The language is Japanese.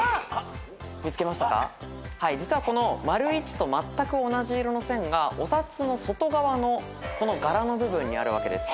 実はこの①とまったく同じ色の線がお札の外側のこの柄の部分にあるわけです。